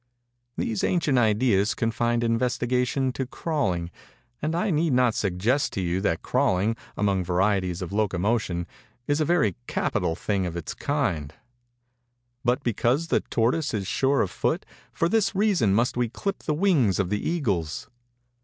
These ancient ideas confined investigation to crawling; and I need not suggest to you that crawling, among varieties of locomotion, is a very capital thing of its kind;—but because the tortoise is sure of foot, for this reason must we clip the wings of the eagles?